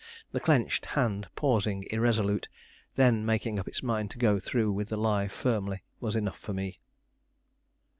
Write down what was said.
The clenched hand pausing irresolute, then making up its mind to go through with the lie firmly, was enough for me.